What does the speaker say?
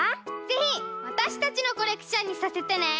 ぜひわたしたちのコレクションにさせてね！